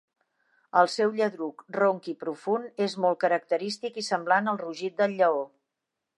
El seu lladruc ronc i profund és molt característic i semblant al rugit del lleó.